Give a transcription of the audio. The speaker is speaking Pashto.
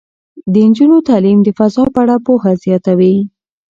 د نجونو تعلیم د فضا په اړه پوهه زیاتوي.